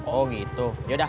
oh gitu yaudah